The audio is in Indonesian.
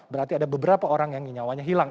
berarti ada beberapa orang yang nyawanya hilang